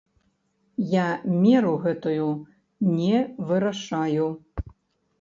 Я меру гэтую не вырашаю.